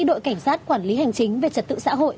đội cảnh sát quản lý hành chính về trật tự xã hội